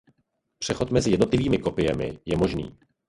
Přechod mezi jednotlivými kopiemi je možný.